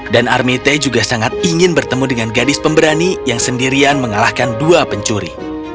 dan armitage juga sangat ingin bertemu dengan gadis pemberani yang sendirian mengalahkan dua pencuri